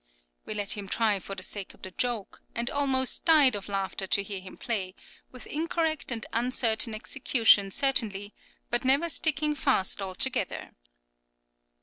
We let him try for the sake of the joke, and almost died of laughter to hear him play, with incorrect and uncertain execution, certainly, but never sticking fast altogether.